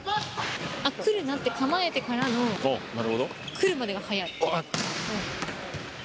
来るなって構えてからのくるまでが速い。